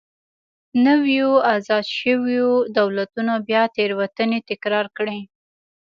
نویو ازاد شویو دولتونو بیا تېروتنې تکرار کړې.